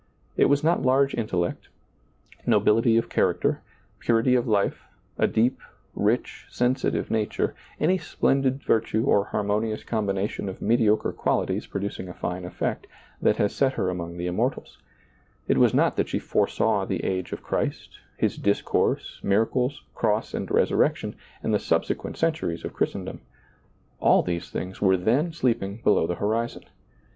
It was not large intellect, nobility of character, purity of life, a deep, rich, sensitive nature, any splendid virtue or harmonious combination of mediocre qualities producing a fine efiect, that has set her among the immortals; it was not that she foresaw the age of Christ, His discourse, miracles, cross, and resurrection, and the subse quent centuries of Christendom — all these things were then sleeping below the horizon.